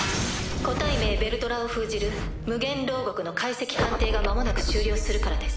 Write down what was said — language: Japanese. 個体名ヴェルドラを封じる無限牢獄の解析鑑定が間もなく終了するからです。